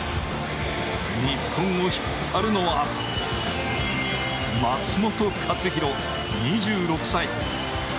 日本を引っ張るのは松元克央、２６歳。